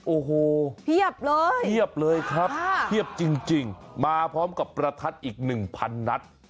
โอ้โหเพียบเลยครับเพียบจริงมาพร้อมกับประทัดอีก๑๐๐๐นัด